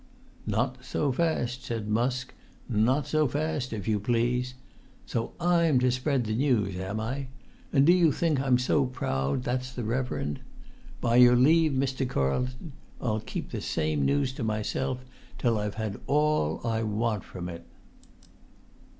"Not so fast," said Musk—"not so fast, if you please. So I'm to spread the news, am I? And do you think I'm so proud that's the reverend? By your leave, Mr. Carlton, I'll keep that same news to myself till I've had all I want from it."